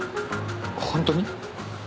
本当に？